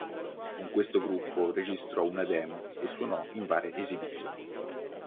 Con questo gruppo registrò una demo e suonò in varie esibizioni.